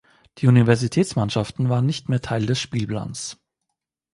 Die Universitätsmannschaften waren nicht mehr Teil des Spielplans.